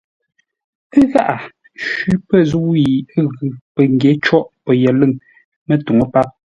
Ə̂ gháʼá shwí pə̂ zə̂u yi ə́ ghʉ̌, pəngyě côghʼ pəyəlʉ̂ŋ mətuŋú páp.